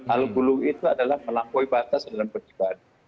al bulu itu adalah melampaui batas dalam penciptaan